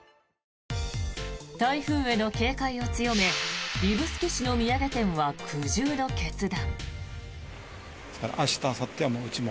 台風への警戒を強め指宿市の土産店は苦渋の決断。